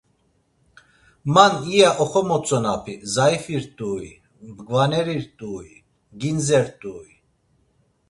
Man iya oxomotzonapi, zayifi rt̆ui, mgvaneri rt̆ui, gindze rt̆ui...